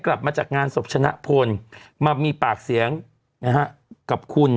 กลับมาจากงานสบชนะขนเตอร์มามีปากเสียงนะฮะ